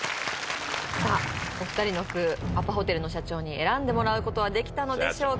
さあお二人の句アパホテルの社長に選んでもらうことはできたのでしょうか？